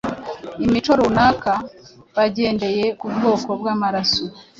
imico runaka bagendeye ku bwoko bw’amaraso